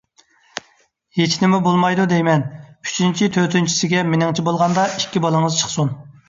ھېچنىمە بولمايدۇ دەيمەن. ئۈچىنچى، تۆتىنچىسىگە مېنىڭچە بولغاندا ئىككى بالىڭىز چىقسۇن.